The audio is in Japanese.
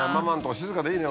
静かでいいね